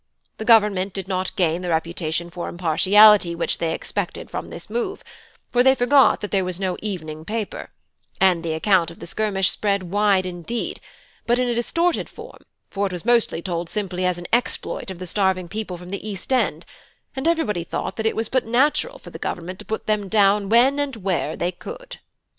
The Government did not gain the reputation for impartiality which they expected from this move; for they forgot that there were no evening papers; and the account of the skirmish spread wide indeed, but in a distorted form for it was mostly told simply as an exploit of the starving people from the East end; and everybody thought it was but natural for the Government to put them down when and where they could.